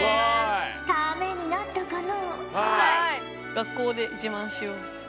学校で自慢しよう。